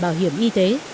bảo hiểm y tế